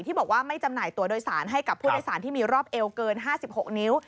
บอกว่าไม่จำหน่ายตัวโดยสารให้กับผู้โดยสารที่มีรอบเอวเกิน๕๖นิ้ว